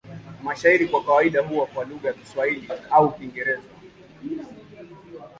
Mashairi kwa kawaida huwa kwa lugha ya Kiswahili au Kiingereza.